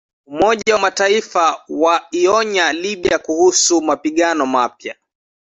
Umoja wa Mataifa waionya Libya kuhusu mapigano mapya.